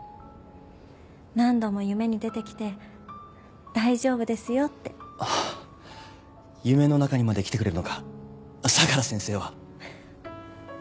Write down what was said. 何度も夢に出てきて「大丈夫ですよ」って。夢の中にまで来てくれるのか相良先生は。